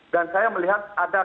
dan saya melihat ada